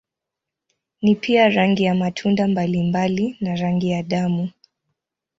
Ni pia rangi ya matunda mbalimbali na rangi ya damu.